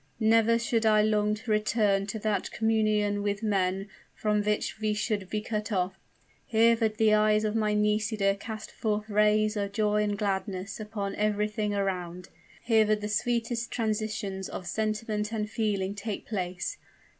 Never should I long to return to that communion with men from which we should be cut off! Here would the eyes of my Nisida cast forth rays of joy and gladness upon everything around; here would the sweetest transitions of sentiment and feeling take place!